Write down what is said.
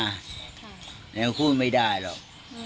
อยากกลับมาไม่คุยไม่ได้หรอก